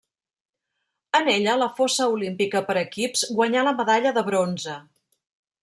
En ella, la fossa olímpica per equips, guanyà la medalla de bronze.